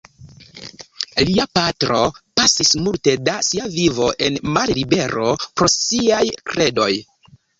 Lia patro pasis multe de sia vivo en mallibero pro siaj kredoj.